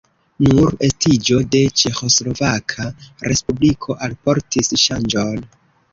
Nur estiĝo de Ĉeĥoslovaka respubliko alportis ŝanĝon.